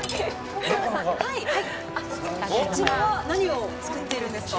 こちらは何を作っているんですか。